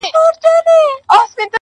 کليوال ژوند بدل ښکاري ظاهراً,